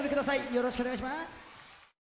よろしくお願いします。